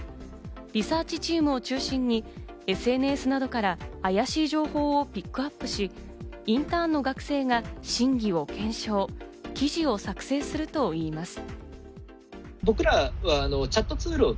リサーチチームを中心にＳＮＳなどからあやしい情報をピックアップし、インターンの学生が審議を検証、記事を作成するといいます。